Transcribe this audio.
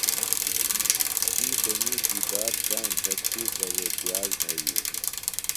تی سےۡ مِیشی بات کاݨ تھےۡ ڇِھیترہ وے پِیاز بھئیتیۡ۔